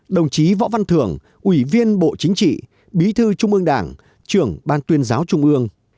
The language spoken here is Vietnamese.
đồng chí võ văn thưởng ủy viên bộ chính trị bí thư trung ương đảng trưởng ban tuyên giáo trung ương